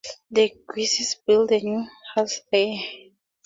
The Guises built a new house there.